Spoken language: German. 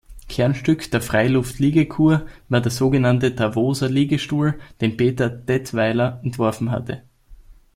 Kernstück der Freiluft-Liegekur war der sogenannte "Davoser Liegestuhl", den Peter Dettweiler entworfen hatte.